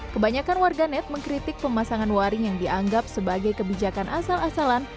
kebanyakan warga net mengkritik pemasangan waring yang dianggap sebagai kebijakan asal asalan